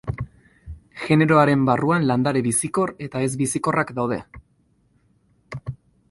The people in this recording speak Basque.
Generoaren barruan landare bizikor eta ez-bizikorrak daude.